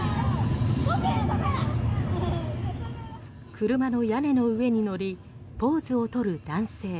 車の屋根の上に乗りポーズを取る男性。